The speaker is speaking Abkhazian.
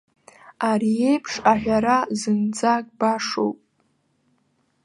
Ари еиԥш аҳәара зынӡак башоуп.